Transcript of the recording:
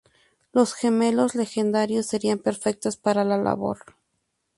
Los gemelos legendarios serian perfectos para la labor.